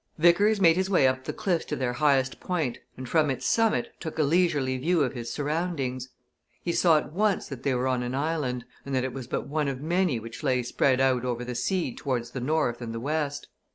Vickers made his way up the cliffs to their highest point and from its summit took a leisurely view of his surroundings. He saw at once that they were on an island, and that it was but one of many which lay spread out over the sea towards the north and the west.